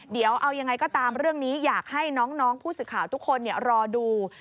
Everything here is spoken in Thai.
เดี๋ยวเอายังไงก็ตามเรื่องนี้อยากให้น้องผู้สื่อข่าวทุกคนรอดู